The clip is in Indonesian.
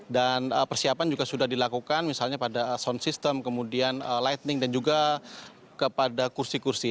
dan persiapan juga sudah dilakukan misalnya pada sound system kemudian lightning dan juga kepada kursi kursi